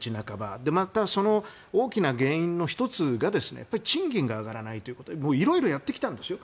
そして、その大きな原因の１つが賃金が上がらないということでいろいろやってきたんですよ。